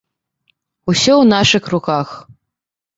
Усё ў нашых руках.